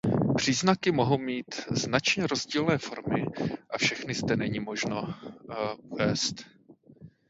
Příznaky mohou mít značně rozdílné formy a všechny zde není možno uvést.